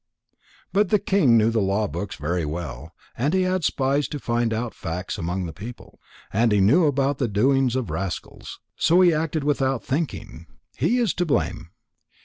"But the king knew the law books very well, and he had spies to find out the facts among the people. And he knew about the doings of rascals. So he acted without thinking. He is to blame."